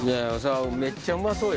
めっちゃうまそうよ。